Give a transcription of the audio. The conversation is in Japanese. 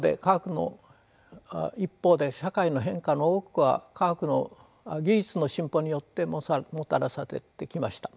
一方で社会の変化の多くは技術の進歩によってもたらされてきました。